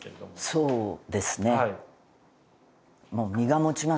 そうですね。